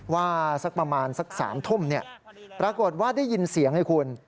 สักประมาณสัก๓ทุ่มปรากฏว่าได้ยินเสียงไอ้คุณ